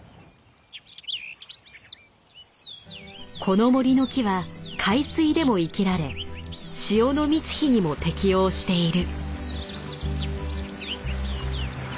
この森の木は海水でも生きられ潮の満ち干にも適応している。